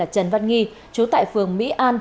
trần văn nghi chú tại phường mỹ an